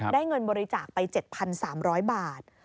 เงินบริจาคไป๗๓๐๐บาท